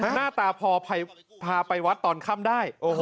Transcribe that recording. หน้าตาพอพาไปวัดตอนค่ำได้